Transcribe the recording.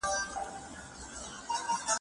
چې لږ شرنګ ورزده کړو تورو اتکړو ته